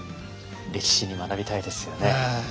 歴史に学びたいですよね。